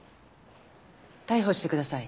逮捕してください。